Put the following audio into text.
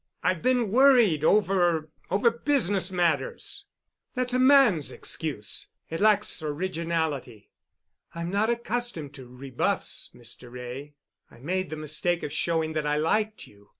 I've been worried over—over business matters." "That's a man's excuse. It lacks originality. I'm not accustomed to rebuffs, Mr. Wray. I made the mistake of showing that I liked you.